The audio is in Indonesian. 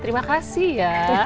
terima kasih ya